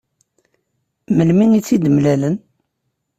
Melmi i tt-id-mlalen?